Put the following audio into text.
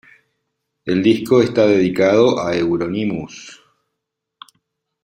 El disco está dedicado a Euronymous.